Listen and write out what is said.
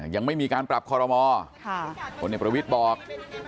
ยังไม่มีการปรับคอรมอผลเอกประวิทย์บอก